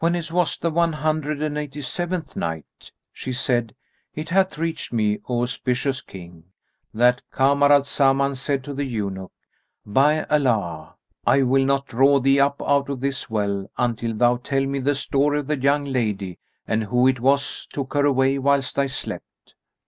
When it was the One and Eighty seventh Night, She said, It hath reached me, O auspicious King, that Kamar al Zaman said to the eunuch, "By Allah! I will not draw thee up out of this well until thou tell me the story of the young lady and who it was took her away whilst I slept."